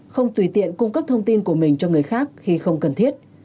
không tùy tiện cung cấp thông tin của mình cho người khác khi không cần thiết